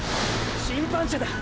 審判車だ！！